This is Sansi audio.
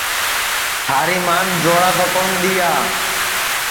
تھاری مان جوڑا تو کون دؔیا